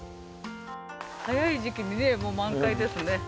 早い時期にね、もう満開ですね。